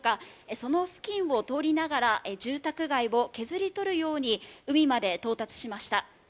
その付近を通りながら住宅街を削り取るように、海まで到達しました。